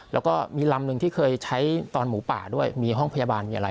แล้วก็มีลำหนึ่งที่เคยใช้ตอนหมูป่าด้วยมีห้องพยาบาลมีอะไร